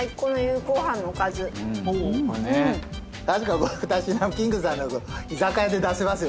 確かに２品キングさんの居酒屋で出せますよこれね。